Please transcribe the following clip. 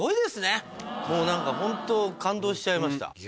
もう何かホント感動しちゃいました。